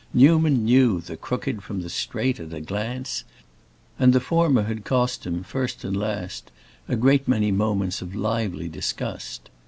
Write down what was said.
Newman knew the crooked from the straight at a glance, and the former had cost him, first and last, a great many moments of lively disgust.